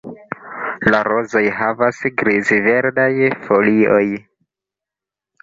La rozoj havas griz-verdaj folioj.